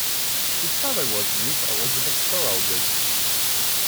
His mother was Ruth Elizabeth Thorowgood.